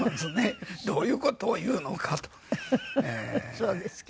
そうですか。